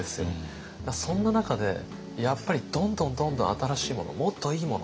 そんな中でやっぱりどんどんどんどん新しいものもっといいもの